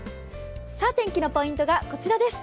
天気のポイントがこちらです。